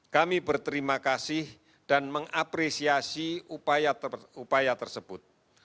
kami berterima kasih dan mengapresiasi upaya tersebut